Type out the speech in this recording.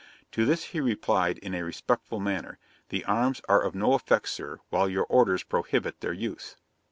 To this he replied in a respectful manner, "The arms are of no effect, Sir, while your orders prohibit their use."'